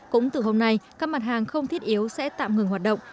cũng từ hôm nay các mặt hàng không thiết yếu sẽ tạm ngừng hoạt động